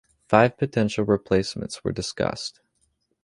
Five potential replacements were discussed.